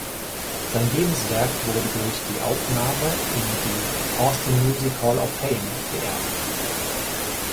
Sein Lebenswerk wurde durch die Aufnahme in die "Austin Music Hall of Fame" geehrt.